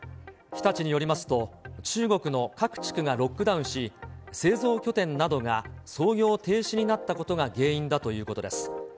日立によりますと、中国の各地区がロックダウンし、製造拠点などが操業停止になったことが原因だということです。